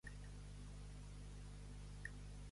Pujar més les haveries que el bacó.